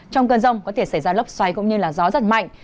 trong cơn rông có thể xảy ra lốc xoáy cũng như gió giật mạnh